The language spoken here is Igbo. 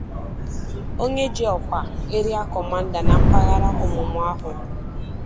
Onye ji ọkwa 'Area Commander' n mpaghara ọmụma ahụ